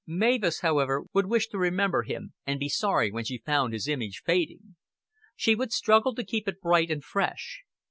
Mavis, however, would wish to remember him, and be sorry when she found his image fading. She would struggle to keep it bright and fresh.